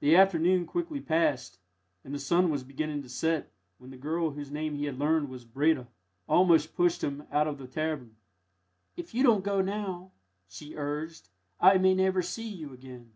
The afternoon quickly passed, and the sun was beginning to set, when the girl, whose name he had learned was Breda, almost pushed him out of the cavern. "If you don't go now," she urged, "I may never see you again."